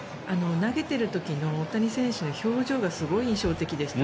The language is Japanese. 投げてる時の大谷選手の表情がすごい印象的でした。